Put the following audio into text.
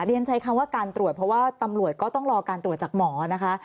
เรียนใช้คำว่าการตรวจเพราะว่าตำรวจก็ต้องรอการตรวจจากหมอนะคะ